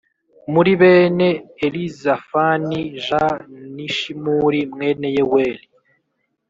muri bene Elizafani j ni Shimuri mwene Yeweli.